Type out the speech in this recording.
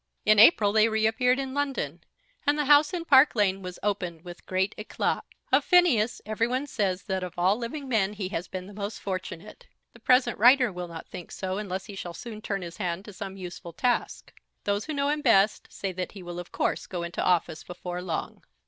In April they reappeared in London, and the house in Park Lane was opened with great éclat. Of Phineas every one says that of all living men he has been the most fortunate. The present writer will not think so unless he shall soon turn his hand to some useful task. Those who know him best say that he will of course go into office before long.